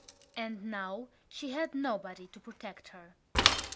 And now she had nobody to protect her.